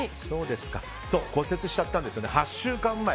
骨折しちゃったんですよね８週間前。